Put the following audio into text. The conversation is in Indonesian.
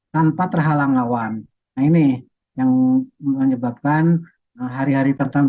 suhu di indonesia akan memasuki musim kemarau